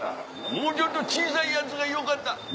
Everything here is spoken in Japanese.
「もうちょっと小さいやつがよかった。